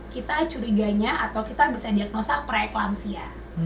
kita curiganya atau kita bisa diagnosa preeklampsia